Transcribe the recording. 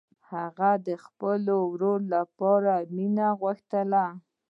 هغې د خپل ورور لپاره مینه غوښتله